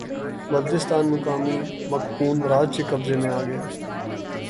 بلتستان مقامی مقپون راج کے قبضے میں آگیا